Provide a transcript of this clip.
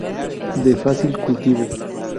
De fácil cultivo.